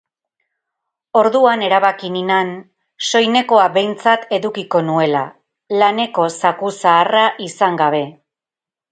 Orduan erabaki ninan soinekoa behintzat edukiko nuela, laneko zaku zaharra izan gabe.